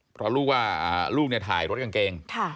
เพราะลูกว่าลูกเนี่ยถ่ายรถกางเกง